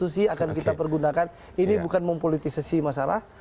yang pasti akan kita pergunakan ini bukan mempolitisasi masalah